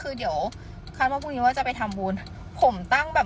คือเดี๋ยวคาดว่าพรุ่งนี้ว่าจะไปทำบุญผมตั้งแบบ